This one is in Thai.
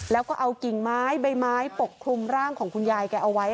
แล้วก็เอากิ่งไม้ใบไม้ปกคลุมร่างของคุณยายแกเอาไว้